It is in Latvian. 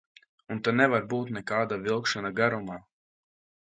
Un te nevar būt nekāda vilkšana garumā!